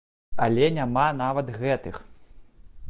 Але няма нават гэтых.